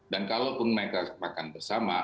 dan kalau pun mereka makan bersama